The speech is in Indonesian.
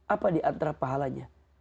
apa diantara pahalanya